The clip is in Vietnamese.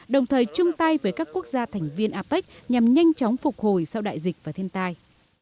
đồng thời chung tay với các quốc gia thành viên apec nhằm nhanh chóng phục hồi sau đại dịch và thiên tai